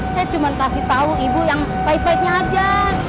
saya cuma kasih tahu ibu yang baik baiknya aja